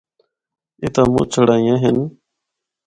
اِتھا مُچ چڑھائیاں ہن۔